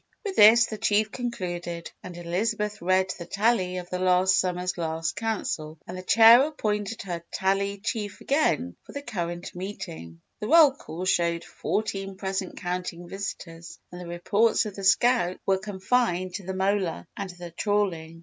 '" With this, the Chief concluded and Elizabeth read the Tally of the last summer's last Council and the Chair appointed her Tally Chief again for the current meeting. The roll call showed fourteen present, counting visitors, and the reports of the scouts were confined to the mola and the trawling.